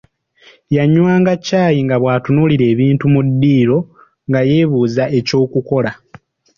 Yanywanga caayi nga bw'atunuulira ebintu mu ddiiro nga yeebuza eky'okukola.